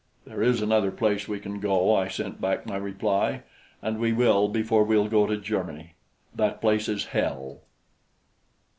"There is another place we can go," I sent back my reply, "and we will before we'll go to Germany. That place is hell."